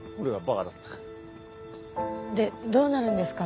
でどうなるんですか？